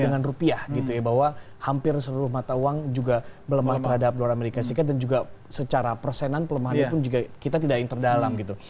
dengan rupiah gitu ya bahwa hampir seluruh mata uang juga melemah terhadap dolar amerika serikat dan juga secara persenan pelemahannya pun juga kita tidak yang terdalam gitu